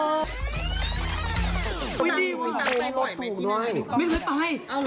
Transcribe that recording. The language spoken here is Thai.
ตั้งไปบ่อยไหมที่นั่นตั้งไปตั้งไปโอ้โหเป็นไง